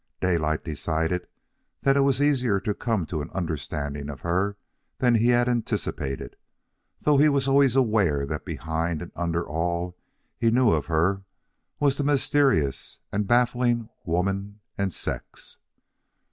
Daylight decided that it was easier to come to an understanding of her than he had anticipated, though he was always aware that behind and under all he knew of her was the mysterious and baffling woman and sex.